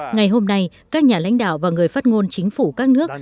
ngày hôm nay các nhà lãnh đạo và người phát ngôn chính phủ các nước